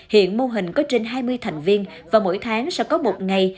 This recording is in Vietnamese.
hiện mô hình có trên hai mươi thành viên và mỗi tháng sẽ có một ngày